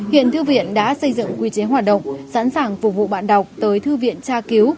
hiện thư viện đã xây dựng quy chế hoạt động sẵn sàng phục vụ bạn đọc tới thư viện tra cứu